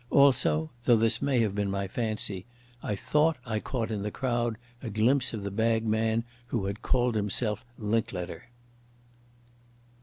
Also—though this may have been my fancy—I thought I caught in the crowd a glimpse of the bagman who had called himself Linklater.